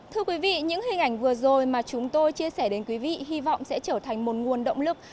thưa quý vị những hình ảnh vừa rồi mà chúng tôi chia sẻ đến quý vị hy vọng sẽ trở thành một nguồn động lực